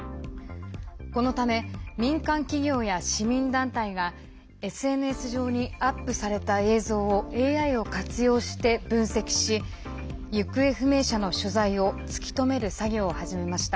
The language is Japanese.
このため、民間企業や市民団体がＳＮＳ上にアップされた映像をＡＩを活用して分析し行方不明者の所在を突き止める作業を始めました。